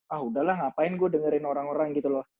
ah udahlah ngapain gue dengerin orang orang gitu loh